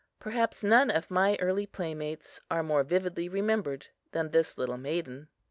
Perhaps none of my early playmates are more vividly remembered than is this little maiden.